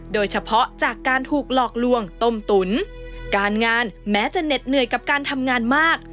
โดยเฉพาะจากการถูกหลอกลวงต้มตุ๋นการงานแม้จะเหน็ดเหนื่อยกับการทำงานมาก